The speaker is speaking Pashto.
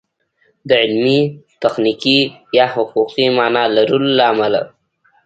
د علمي، تخنیکي یا حقوقي مانا لرلو له امله